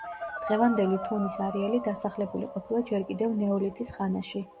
დღევანდელი თუნის არეალი დასახლებული ყოფილა ჯერ კიდევ ნეოლითის ხანაში.